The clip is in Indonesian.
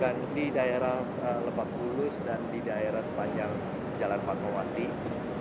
kami melakukan di daerah lebakulus dan di daerah sepanjang jalan pakuwan ini